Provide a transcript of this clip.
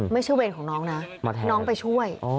เวรของน้องนะน้องไปช่วย